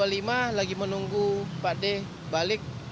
kita dua puluh lima lagi menunggu pak d balik